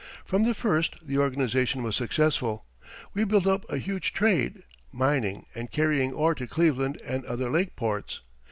From the first the organization was successful. We built up a huge trade, mining and carrying ore to Cleveland and other lake ports.